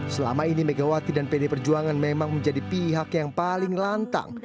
selama ini megawati dan pd perjuangan memang menjadi pihak yang paling lantang